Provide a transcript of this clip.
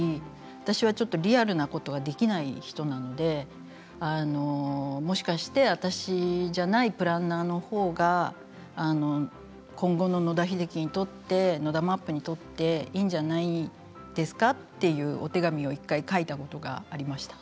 私はちょっとリアルなことができない人なのでもしかして私ではないプランナーの方が今後の野田秀樹にとってＮＯＤＡ・ＭＡＰにとっていいんじゃないですか？というお手紙を一度、書いたことがありました。